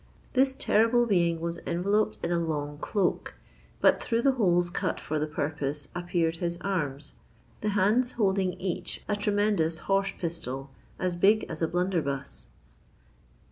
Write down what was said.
This terrible being was enveloped in a long cloak; but through the holes cut for the purpose appeared his arms, the hands holding each a tremendous horse pistol as big as a blunderbuss.